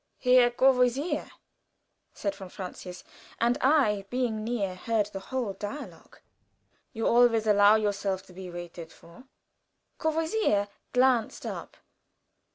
"Herr Courvoisier," said von Francius and I, being near, heard the whole dialogue "you always allow yourself to be waited for." Courvoisier glanced up.